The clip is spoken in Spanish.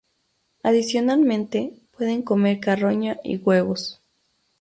Adicionalmente, pueden comer carroña y huevos.